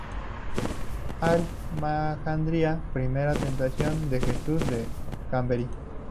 Al-Mejandría: Primera tentación de Jesús de Chamberí.